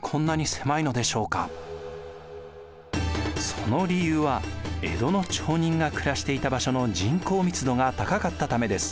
その理由は江戸の町人が暮らしていた場所の人口密度が高かったためです。